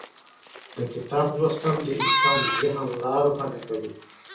د کتاب لوستل د انسان ذهن لا روښانه کوي.